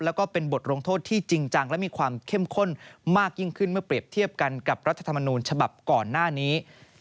แล้วก็เป็นบทลงโทษที่จริงจังและมีความเข้มข้นมากยิ่งขึ้นเมื่อเปรียบเทียบกันกับรัฐธรรมนูญฉบับก่อนหน้านี้